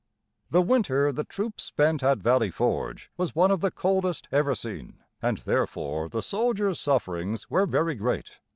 The winter the troops spent at Valley Forge was one of the coldest ever seen, and therefore the soldiers' sufferings were very great.